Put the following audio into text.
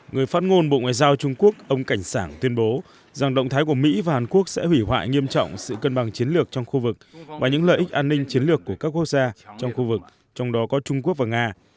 người phát ngôn bộ ngoại giao trung quốc ông cảnh sảng tuyên bố rằng động thái của mỹ và hàn quốc sẽ hủy hoại nghiêm trọng sự cân bằng chiến lược trong khu vực và những lợi ích an ninh chiến lược của các quốc gia trong khu vực trong đó có trung quốc và nga